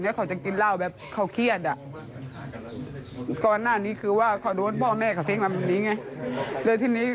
เลยคำนั้นแล้วมันแทงใจคำของชันทุกวันอย่างนี้